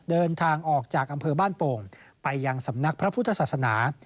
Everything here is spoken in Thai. เดินทางออกจากอำเภอบ้านโป่งไปยังสำนักพระพุทธศาสนา